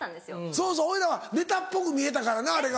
そうそう俺らはネタっぽく見えたからなあれが。